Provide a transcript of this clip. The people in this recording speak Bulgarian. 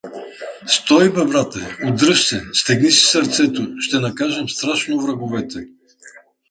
— Стой бе, брате, удръж се, стегни си сърцето, ще накажем страшно враговете!